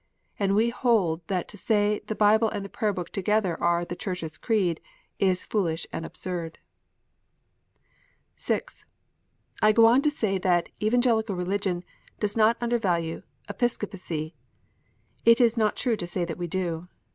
And we hold that to say the Bible and Prayer book together are " the Church s Creed," is foolish and absurd. (6) I go on to say that Evangelical Religion does not under value Episcopacy. It is not true to say that we do.